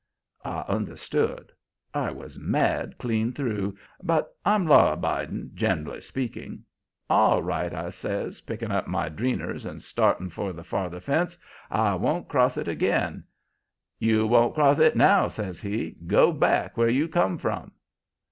"I understood. I was mad clean through, but I'm law abiding, generally speaking. 'All right,' I says, picking up my dreeners and starting for the farther fence; 'I won't cross it again.' "'You won't cross it now,' says he. 'Go back where you come from.'